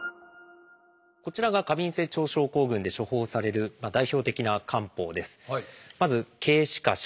こちらが過敏性腸症候群で処方される代表的な漢方です。